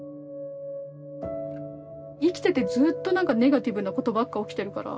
生きててずっとなんかネガティブなことばっか起きてるから。